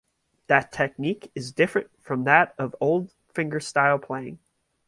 The technique is different from that of old fingerstyle playing.